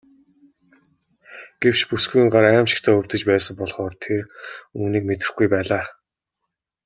Гэвч бүсгүйн гар аймшигтай өвдөж байсан болохоор тэр үүнийг мэдрэхгүй байлаа.